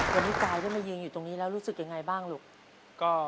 วันนี้กายได้มายืนอยู่ตรงนี้แล้วรู้สึกยังไงบ้างลูก